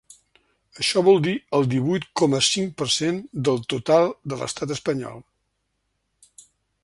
Això vol dir el divuit coma cinc per cent del total de l’estat espanyol.